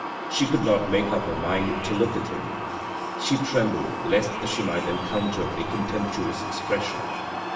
She could not make up her mind to look at him. She trembled lest she might encounter a contemptuous expression.